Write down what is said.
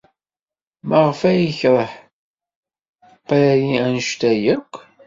Maɣef ay yekṛeh Paris anect-a akk?